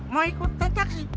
mau ikut naik taksi